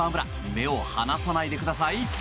目を離さないでください。